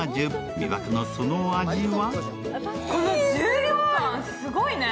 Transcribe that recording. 魅惑のそのお味は？